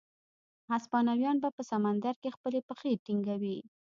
هسپانویان به په سمندرګي کې خپلې پښې ټینګوي.